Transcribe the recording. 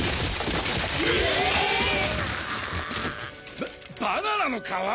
ババナナの皮！？